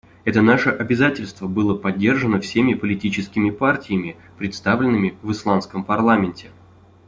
Это наше обязательство было поддержано всеми политическими партиями, представленными в исландском парламенте.